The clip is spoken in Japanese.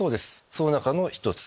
その中の１つ。